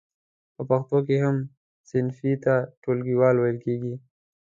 په پښتو کې هم صنفي ته ټولګیوال ویل کیږی.